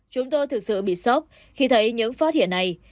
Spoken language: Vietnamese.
chúng tôi thực sự bị sốc khi thấy những phát hiện này